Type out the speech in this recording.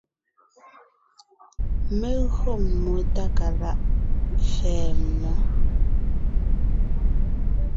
Mé gÿo mmó Tákalaʼ pfɛ̌ mmó.